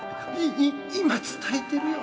今伝えてるよ！